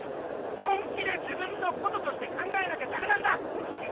本気で自分のこととして考えなきゃダメなんだ！